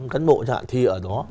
các bộ trạng thi ở đó